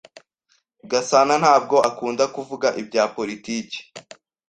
Gasana ntabwo akunda kuvuga ibya politiki.